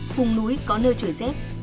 phùng núi có nơi trở rét